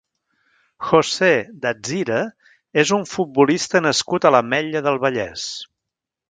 José Datzira és un futbolista nascut a l'Ametlla del Vallès.